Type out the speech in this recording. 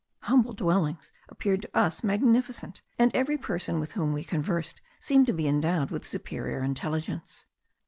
Humble dwellings appeared to us magnificent; and every person with whom we conversed seemed to be endowed with superior intelligence.